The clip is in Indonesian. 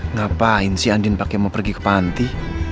ngapain si andin pak yang mau pergi ke panti